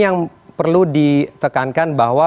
yang perlu ditekankan bahwa